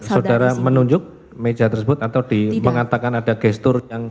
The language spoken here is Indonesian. saudara menunjuk meja tersebut atau mengatakan ada gestur